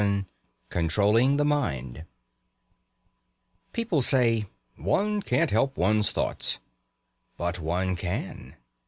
VII CONTROLLING THE MIND People say: "One can't help one's thoughts." But one can.